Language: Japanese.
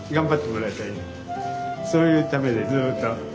そういうためにずっと。